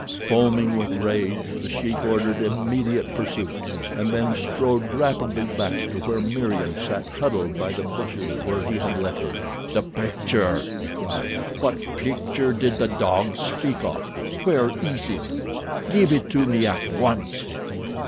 Foaming with rage The Sheik ordered immediate pursuit, and then strode rapidly back to where Meriem sat huddled by the bushes where he had left her. "The picture!" he cried. "What picture did the dog speak of? Where is it? Give it to me at once!"